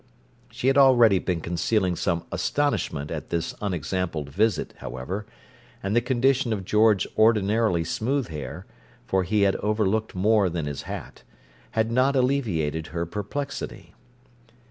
She had already been concealing some astonishment at this unexampled visit, however, and the condition of George's ordinarily smooth hair (for he had overlooked more than his hat) had not alleviated her perplexity.